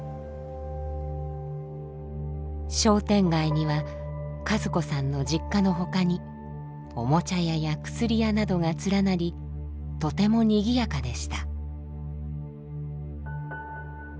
商店街には和子さんの実家の他におもちゃ屋や薬屋などが連なりとても賑やかでした。